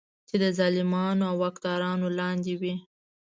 چې د ظالمو واکدارانو لاندې وي.